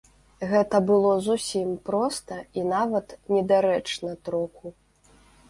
Гэта было зусім проста і нават недарэчна троху.